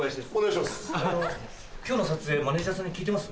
今日の撮影マネジャーさんに聞いてます？